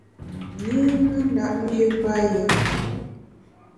Nyi mandap njù payù.